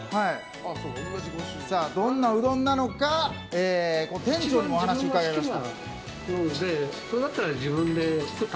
どんなうどんなのか店長にもお話を伺いました。